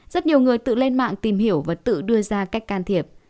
rất nhiều người tự lên mạng tìm hiểu và tự đưa ra cách can thiệp